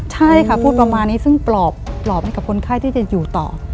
ใช่ค่ะพูดประมาณนี้ซึ่งปลอบให้กับคนไข้ที่จะอยู่ต่อ